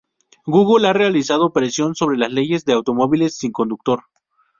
Google ha realizado presión sobre las leyes de automóviles sin conductor.